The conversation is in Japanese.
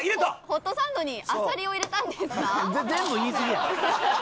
ホットサンドにあさりを入れたんですか？